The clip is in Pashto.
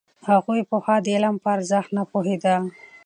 هغوی پخوا د علم په ارزښت نه پوهېدل.